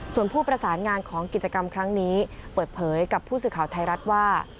ส่วนผู้ประสานงานของกิจกรรมครั้งนี้เปิดเผยกับผู้สื่อข่าวไทยรัฐว่า